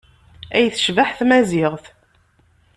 Ay tecbeḥ tmaziɣt!